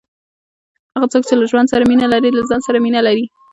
هغه څوک، چي له ژوند سره مینه لري، له ځان سره مینه لري.